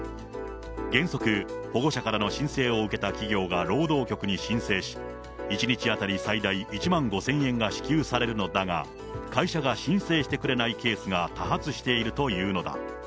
原則、保護者からの申請を受けた企業が労働局に申請し、１日当たり最大１万５０００円が支給されるのだが、会社が申請してくれないケースが多発しているというのだ。